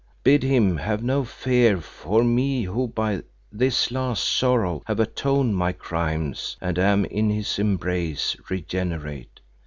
Bid him have no fear for me who by this last sorrow have atoned my crimes and am in his embrace regenerate.